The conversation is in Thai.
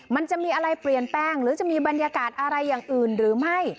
มันจะมีอะไรเปลี่ยนแปลงหรือจะมีบรรยากาศอะไรอย่างอื่นหรือไม่